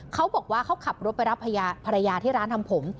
เขาบอกว่าเขาขับรถไปรับภรรยาที่ร้านทำผม